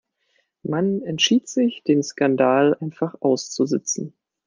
Man entschied sich, den Skandal einfach auszusitzen.